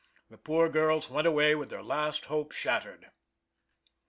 The poor girls went away with their last hope shattered.